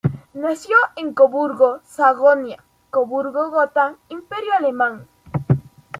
Nació en Coburgo, Sajonia-Coburgo-Gotha, Imperio alemán.